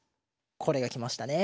これがきましたね。